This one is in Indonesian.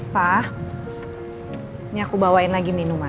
pak ini aku bawain lagi minuman